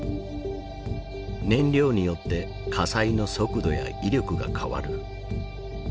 燃料によって火災の速度や威力が変わる。